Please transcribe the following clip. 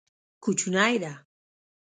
کوچنی ده.